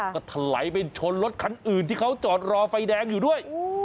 ก็ถลายไปชนรถคันอื่นที่เขาจอดรอไฟแดงอยู่ด้วย